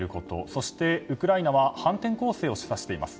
そして、ウクライナは反転攻勢を示唆しています。